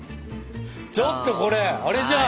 ちょっとこれあれじゃん！